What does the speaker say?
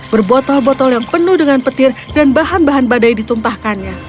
berbotol botol yang penuh dengan petir dan bahan bahan badai ditumpahkannya